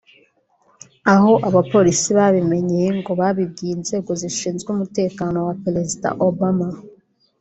Aho abapolisi babimenyeye ngo babibwiye inzego zishinzwe umutekano wa Perezida Obama